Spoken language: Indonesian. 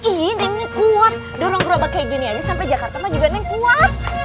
ih nengnya kuat dorong berobak kayak gini aja sampai jakarta mah juga neng kuat